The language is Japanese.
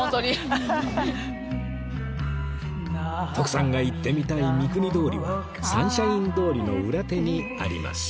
徳さんが行ってみたい美久仁通りはサンシャイン通りの裏手にあります